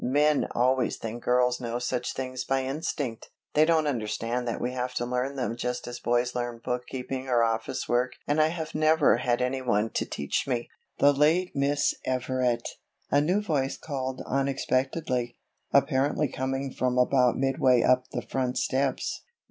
Men always think girls know such things by instinct. They don't understand that we have to learn them just as boys learn bookkeeping or office work and I have never had any one to teach me." "The late Miss Everett," a new voice called unexpectedly, apparently coming from about midway up the front steps.